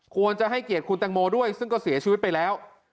ควรจะให้เกียรติคุณแตงโมด้วยซึ่งก็เสียชีวิตไปแล้ว